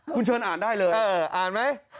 คุณเชิญอ่านได้เลยอ่านไหม